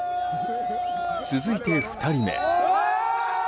続いて、２人目。